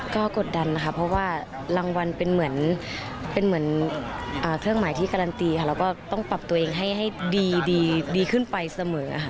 ก็กดดันนะคะเพราะว่ารางวัลเป็นเหมือนเป็นเหมือนเครื่องหมายที่การันตีค่ะแล้วก็ต้องปรับตัวเองให้ดีขึ้นไปเสมอค่ะ